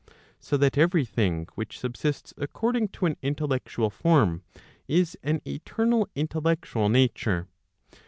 So that every thing which subsists according to an intellectual form is an eternal intellectual nature.